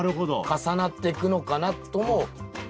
重なってくのかなとも。